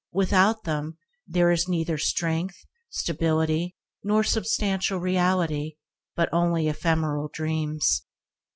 Without them there is neither strength, stability, nor substantial reality, but only ephemeral dreams.